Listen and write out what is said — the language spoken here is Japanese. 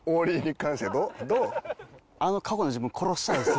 あの過去の自分殺したいです。